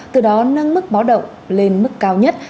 từ đó nâng mức báo động lên mức cao nhất